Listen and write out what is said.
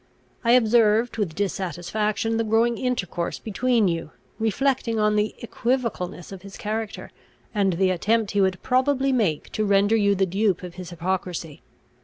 I observed, with dissatisfaction, the growing intercourse between you, reflecting on the equivocalness of his character, and the attempt he would probably make to render you the dupe of his hypocrisy.